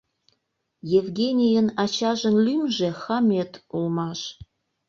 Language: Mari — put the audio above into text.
Евгенийын ачажын лӱмжӧ Хамет улмаш.